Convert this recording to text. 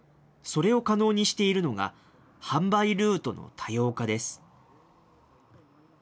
それを可能にしているのが、販売ルートの多様化です。